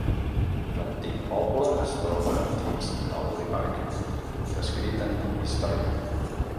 L'antic poble es troba dins d'Albury Park, descrit en Història.